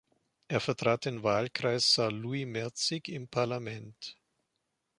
Er vertrat den Wahlkreis Saarlouis-Merzig im Parlament.